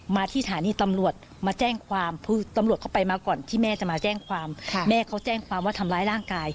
มาที่สถานีตำรวจมาแจ้งความคือตำรวจเข้าไปมาก่อนที่แม่จะมาแจ้งความแม่เขาแจ้งความว่าทำร้ายร่างกาย